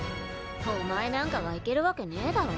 お前なんかが行けるわけねえだろ。